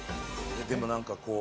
でも何かこう。